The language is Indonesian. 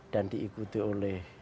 dan diikuti oleh